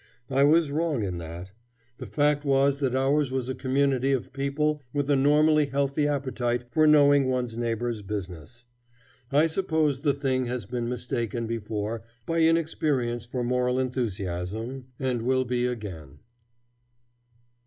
I was wrong in that. The fact was that ours was a community of people with a normally healthy appetite for knowing one's neighbor's business. I suppose the thing has been mistaken before by inexperience for moral enthusiasm, and will be again.